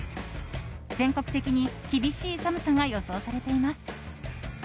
全国的に厳しい寒さが予想されています。